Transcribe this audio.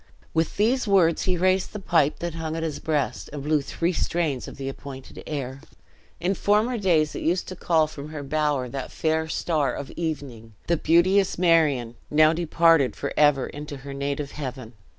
With these words he raised the pipe that hung at his breast, and blew three strains of the appointed air. In former days it used to call from her bower that "fair star of evening," the beauteous Marion, now departed for ever into her native heaven.